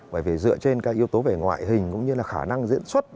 bởi vì dựa trên các yếu tố về ngoại hình cũng như là khả năng diễn xuất